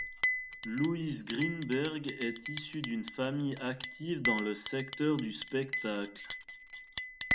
Louise Grinberg est issue d'une famille active dans le secteur du spectacle.